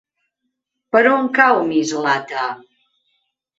Per on cau Mislata?